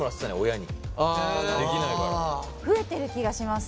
増えてる気がします。